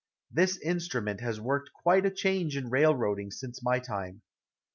This instrument has worked quite a change in railroading since my time.